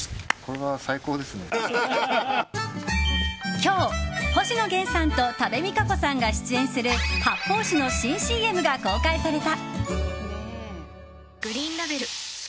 今日、星野源さんと多部未華子さんが出演する発泡酒の新ＣＭが公開された。